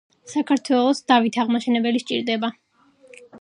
საქართველოს დავით აღმაშენებელი სჭირდება !!!!